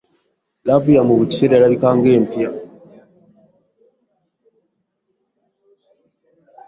Laavu yammwe buli kiseeea erabika ng'empya